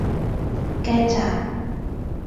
雞扎